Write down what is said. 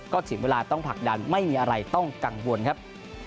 ก็ถึงเวลาต้องผลักดันไม่มีอะไรต้องกังวลครับ